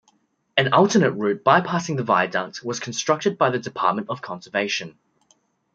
An alternate route bypassing the viaduct was constructed by the Department of Conservation.